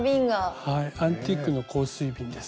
アンティークの香水瓶です。